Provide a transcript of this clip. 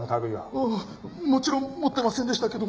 ああもちろん持ってませんでしたけど。